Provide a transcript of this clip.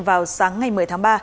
vào sáng ngày một mươi tháng ba